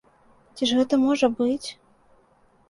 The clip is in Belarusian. Ці ж гэта можа быць?